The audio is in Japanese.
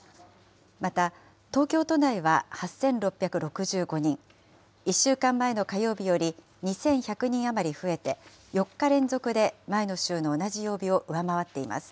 また東京都内は８６６５人、１週間前の火曜日より２１００人余り増えて、４日連続で前の週の同じ曜日を上回っています。